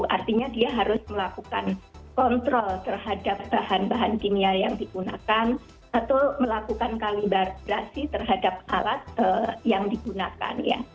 artinya dia harus melakukan kontrol terhadap bahan bahan kimia yang digunakan atau melakukan kalibabrasi terhadap alat yang digunakan